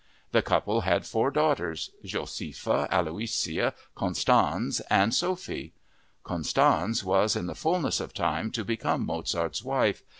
The couple had four daughters, Josefa, Aloysia, Constanze, and Sophie. Constanze was, in the fullness of time, to become Mozart's wife.